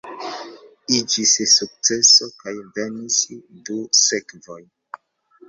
Iĝis sukceso kaj venis du sekvoj.